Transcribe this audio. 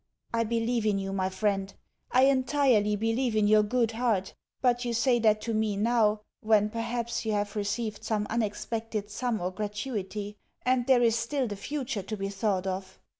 I believe in you, my friend I entirely believe in your good heart; but, you say that to me now (when, perhaps, you have received some unexpected sum or gratuity) and there is still the future to be thought of.